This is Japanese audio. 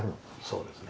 そうですね。